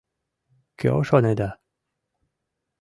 Кӧ, шонеда?